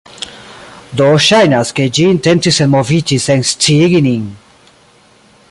do ŝajnas, ke ĝi intencis elmoviĝi sen sciigi nin.